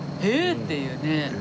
っていうね。